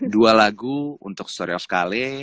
dua lagu untuk story of kale